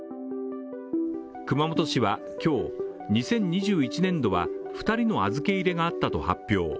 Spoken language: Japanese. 熊本市は今日、２０２１年度は２人の預け入れがあったと発表。